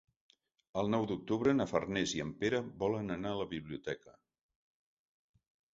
El nou d'octubre na Farners i en Pere volen anar a la biblioteca.